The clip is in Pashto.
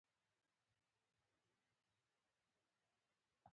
د انسان په ژوند کې درې شیان اړین دي.